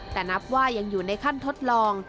แต่นับว่ายังอยู่ในขั้นทดลอง